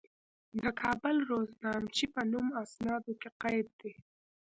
د کابل روزنامچې په نوم اسنادو کې قید دي.